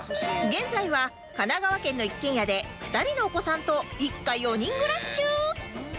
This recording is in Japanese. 現在は神奈川県の一軒家で２人のお子さんと一家４人暮らし中